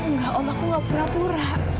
ngak om aku gak pura pura